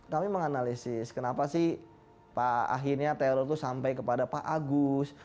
kami menganalisis kenapa sih akhirnya teror itu sampai kepada pak agus